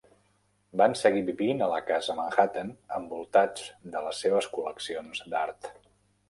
Van seguir vivint a la casa Manhattan envoltats de les seves col·leccions d'art.